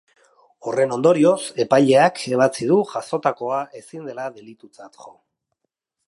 Horren ondorioz, epaileak ebatzi du jazotakoa ezin dela delitutzat jo.